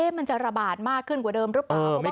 มันจะระบาดมากขึ้นกว่าเดิมหรือเปล่า